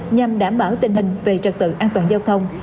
nhằm đảm bảo tình hình về trật tự an toàn giao thông